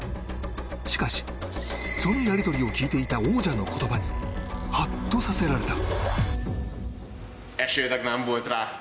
しかしそのやり取りを聞いていた王者の言葉にハッとさせられた。